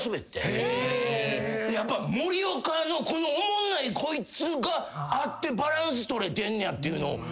やっぱモリオカのこのおもんないこいつがあってバランス取れてんねやっていうのを。